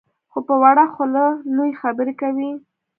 خو په وړه خوله لویې خبرې کوي.